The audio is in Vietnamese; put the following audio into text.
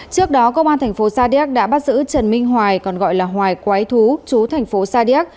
trước đó công an thành phố sa điếc đã bắt giữ trần minh hoài còn gọi là hoài quái thú chú thành phố sa điếc